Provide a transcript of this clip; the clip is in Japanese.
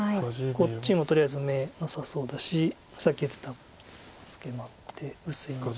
こっちもとりあえず眼なさそうだしさっき言ってたツケもあって薄いので。